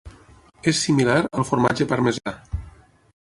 És similar al formatge parmesà.